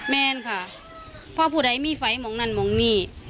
แม่นขาวพ่อผู้ลายมี่ไฟมองนั่นมองนี่